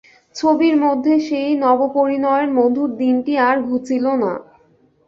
ছবির মধ্যে সেই নবপরিণয়ের মধুর দিনটি আর ঘুচিল না।